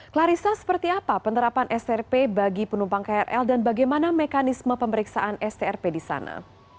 clarissa seperti apa penerapan strp bagi penumpang krl dan bagaimana mekanisme pemeriksaan strp di sana